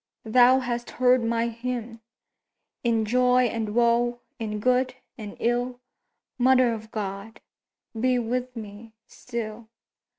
thou hast heard my hymn! In joy and woe—in good and ill— Mother of God, be with me still!